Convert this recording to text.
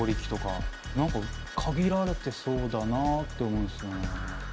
何か限られてそうだなあって思うんすよね。